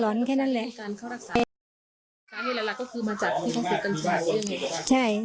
ทางด้านละ่ะมาจัดที่เขาศิริกัญชาศละวะ